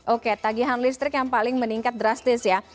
oke tagihan listrik yang paling meningkat drastis ya